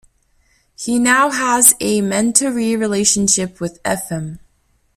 He now has a mentoree relationship with Efim.